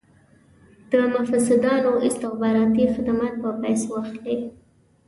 د مفسدانو استخباراتي خدمات په پیسو اخلي.